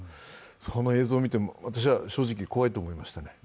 その映像を見ても、私は正直、怖いと思いした。